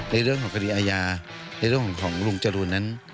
ในเรื่องของคดีอาญาในเรื่องของลุงจรูนนั้น